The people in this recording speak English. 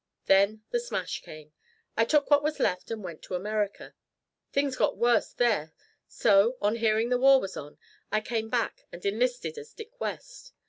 Then the smash came. I took what was left and went to America. Things got worse there, so, on hearing the war was on, I came back and enlisted as Dick West.